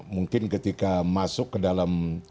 mungkin ketika masuk ke dalam